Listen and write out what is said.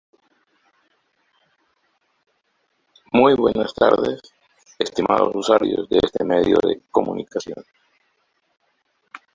Su presidente es el multimillonario Henri Stern.